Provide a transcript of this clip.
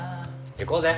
行こうぜ。